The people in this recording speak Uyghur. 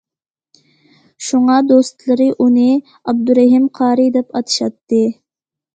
شۇڭا دوستلىرى ئۇنى‹‹ ئابدۇرېھىم قارى›› دەپ ئاتىشاتتى.